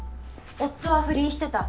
夫は不倫してた。